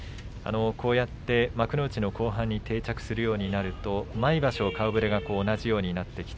幕内後半に定着するようになると毎場所、顔ぶれは同じようになります。